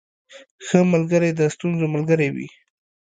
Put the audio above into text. • ښه ملګری د ستونزو ملګری وي.